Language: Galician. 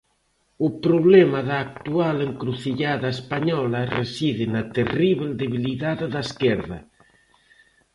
O problema da actual encrucillada española reside na terríbel debilidade da esquerda.